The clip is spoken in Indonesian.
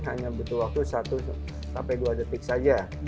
hanya butuh waktu satu sampai dua detik saja